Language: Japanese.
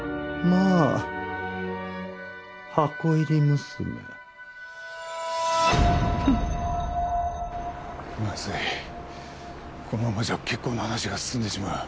まずいこのままじゃ結婚の話が進んでしまう。